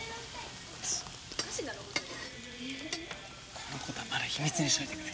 この事はまだ秘密にしておいてくれ。